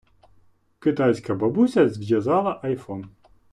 Китайська бабуся зв’язала айфон.